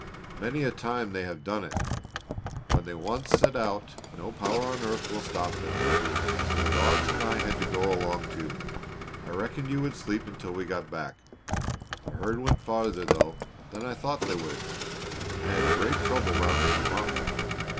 Many a time they have done it; when they once set out no power on earth will stop them. So the dogs and I had to go along too. I reckoned you would sleep until we got back. The herd went farther, though, than I thought they would. I had great trouble rounding them up."